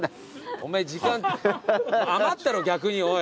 お前時間余ったろ逆におい。